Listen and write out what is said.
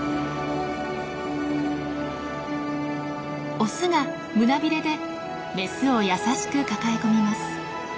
オスが胸びれでメスを優しく抱え込みます。